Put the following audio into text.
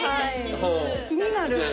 気になる。